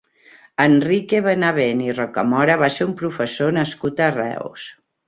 Enrique Benavent i Rocamora va ser un professor nascut a Reus.